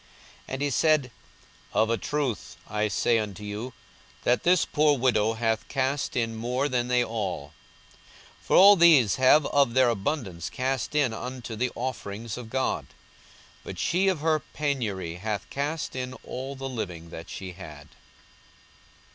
42:021:003 And he said, Of a truth I say unto you, that this poor widow hath cast in more than they all: 42:021:004 For all these have of their abundance cast in unto the offerings of God: but she of her penury hath cast in all the living that she had.